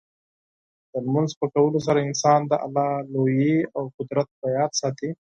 د لمونځ په کولو سره انسان د الله لویي او قدرت په یاد ساتي.